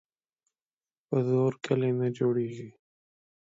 په زور کلي نه جوړیږي.